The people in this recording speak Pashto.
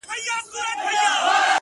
د سر په سترگو چي هغه وينمه_